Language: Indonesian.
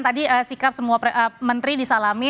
tadi sikap semua menteri disalami